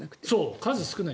数が少ない。